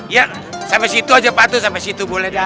iya sampe situ aja pak tuh sampe situ boleh dah